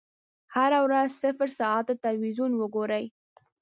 هره ورځ صفر ساعته ټلویزیون وګورئ.